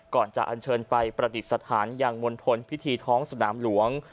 ก่อนจะอันเชิญไปประดิษฐานยังมณฑลพิธีท้องสนามหลวง